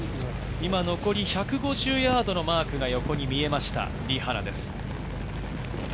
今、残り１５０ヤードのマークが見えました、リ・ハナです。